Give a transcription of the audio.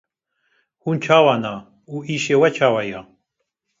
Hûn çawa ne û îşê we çawa ye?